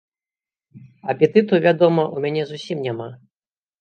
Апетыту, вядома, у мяне зусім няма.